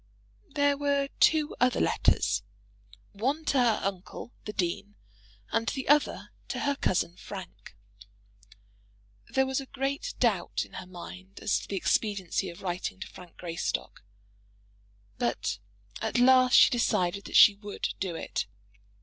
There were two other letters, one to her uncle, the dean, and the other to her cousin Frank. There was great doubt in her mind as to the expediency of writing to Frank Greystock; but at last she decided that she would do it.